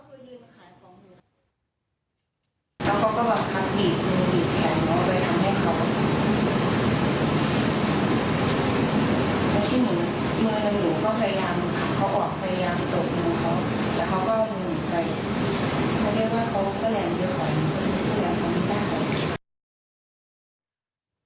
พอครั้งแรกผ่านไป